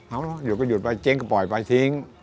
เอาเนอะหยุดก็หยุดไปเจ๊งก็ปล่อยไปทิ้ง